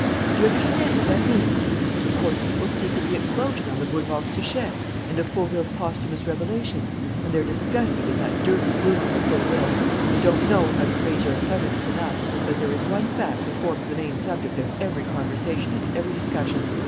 "Do you understand what that means? Of course, people speak of the explosion on the Boulevard Suchet and of Fauville's posthumous revelations; and they are disgusted with that dirty brute of a Fauville; and they don't know how to praise your cleverness enough. But there is one fact that forms the main subject of every conversation and every discussion.